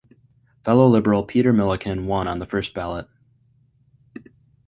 Fellow Liberal Peter Milliken won on the first ballot.